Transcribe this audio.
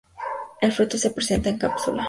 El fruto se presenta en cápsula.